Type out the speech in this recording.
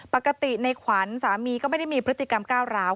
ปกติในขวัญสามีก็ไม่ได้มีพฤติกรรมก้าวร้าว